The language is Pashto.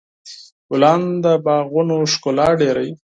ګلان د باغونو ښکلا ډېروي.